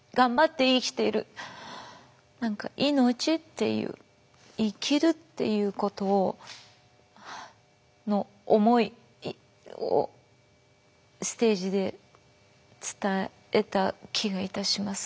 何か命っていう生きるっていうことの思いをステージで伝えた気がいたします。